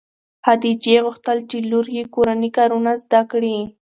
خدیجې غوښتل چې لور یې کورني کارونه زده کړي.